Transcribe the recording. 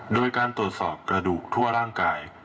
โดยการตรวจสอบกระดูกทั่วร่างกาย